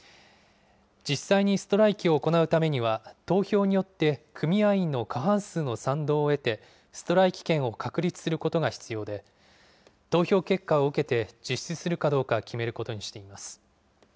実際にストライキを行うためには、投票によって組合員の過半数の賛同を得て、ストライキ権を確立することが必要で、投票結果を受けて実施するかどうか決めることにしています。